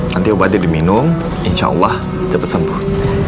nanti obatnya diminum insya allah cepat sembuh